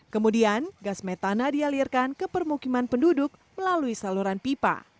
kemudian gas metana dialirkan ke permukiman penduduk melalui saluran pipa